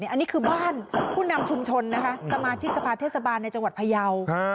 อันนี้คือบ้านผู้นำชุมชนนะคะสมาชิกสภาเทศบาลในจังหวัดพยาว